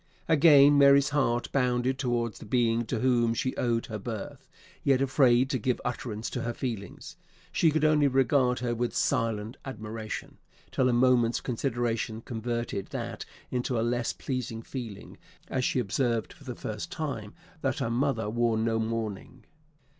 Again Mary's heart bounded towards the being to whom she owed her birth; yet afraid to give utterance to her feelings, she could only regard her with silent admiration, till a moment's consideration converted that into a less pleasing feeling, as she observed for the first time that her mother wore no mourning.